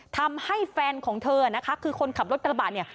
ทำให้แฟนของเธอนะคะคือคนขับรถกระบะเนี่ย